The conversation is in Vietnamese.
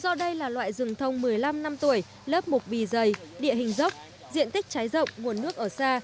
do đây là loại rừng thông một mươi năm năm tuổi lớp mục bì dày địa hình dốc diện tích cháy rộng nguồn nước ở xa